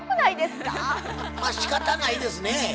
まあしかたないですね。